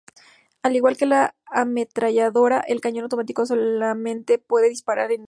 Al igual que la ametralladora, el cañón automático solamente puede disparar en ráfagas.